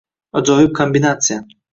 Ajoyib kombinatsiya